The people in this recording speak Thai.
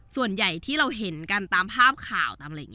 ส่วนใหญ่ที่เราเห็นกันตามภาพข่าว